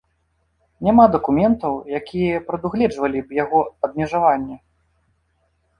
Няма дакументаў, якія прадугледжвалі б яго абмежаванне.